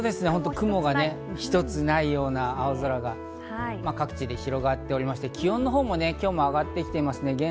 雲一つないような青空が各地で広がっておりまして、気温のほうもね、上がってきていますね。